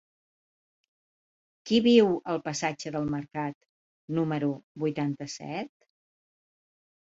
Qui viu al passatge del Mercat número vuitanta-set?